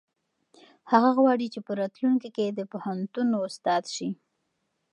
هغه غواړي چې په راتلونکي کې د پوهنتون استاد شي.